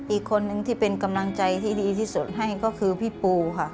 อีกคนนึงที่เป็นกำลังใจที่ดีที่สุดให้ก็คือพี่ปูค่ะ